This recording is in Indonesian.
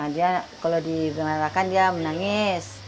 dia kalau diberitakan dia menangis